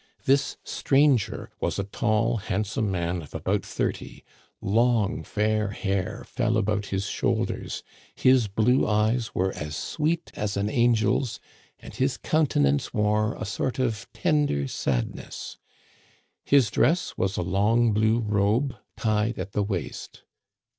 " This stranger was a tall, handsome man of about thirty. Long fair hair fell about his shoulders, his blue eyes were as sweet as an angel's, and his countenance Digitized by VjOOQIC 92 THE CANADIANS OF OLD. wore a sort of tender sadness. His dress was a long blue robe tied at the waist.